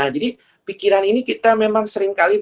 pikiran ini kita memang seringkali